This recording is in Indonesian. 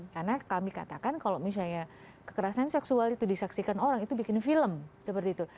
karena kami katakan kalau misalnya kekerasan seksual itu disaksikan orang itu bikin film seperti itu